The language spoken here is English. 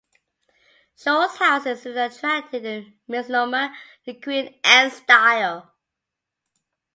Shaw's houses soon attracted the misnomer the "Queen Anne style".